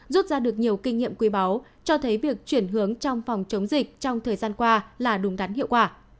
rút ra được nhiều kinh nghiệm quý báu cho thấy việc chuyển hướng trong phòng chống dịch trong thời gian qua là đúng đắn hiệu quả